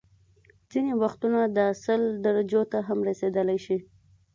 ځینې وختونه دا سل درجو ته هم رسيدلی شي